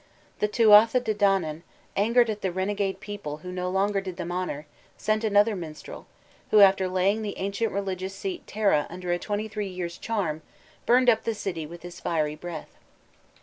The Tuatha De Danann, angered at the renegade people who no longer did them honor, sent another minstrel, who after laying the ancient religious seat Tara under a twenty three years' charm, burned up the city with his fiery breath.